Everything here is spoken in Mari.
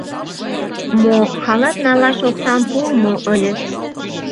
— Мо, халат налаш оксам пуымо ыльыс!